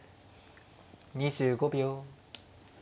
２５秒。